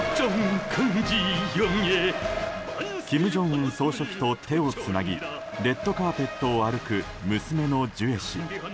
金正恩総書記と手をつなぎレッドカーペットを歩く娘のジュエ氏。